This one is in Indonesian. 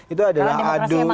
itu adalah adu